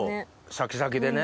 シャキシャキでね。